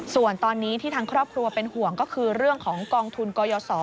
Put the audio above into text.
ส่วนตอนนี้ที่ทางครอบครัวเป็นห่วงก็คือเรื่องของกองทุนกยศ